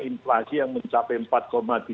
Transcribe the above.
inflasi yang mencapai empat tiga puluh lima